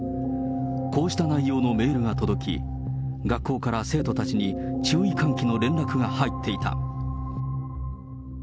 こうした内容のメールが届き、学校から生徒たちに、注意喚起の連絡が入っていた。